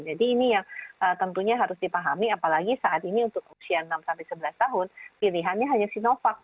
jadi ini yang tentunya harus dipahami apalagi saat ini untuk usia enam sampai sebelas tahun pilihannya hanya sinovac